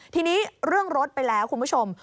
ทีนี้เรื่องรถไปแล้วคุณผู้ชม